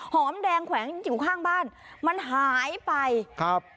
หอมแดงแขวงอยู่ข้างบ้านมันหายไปครับ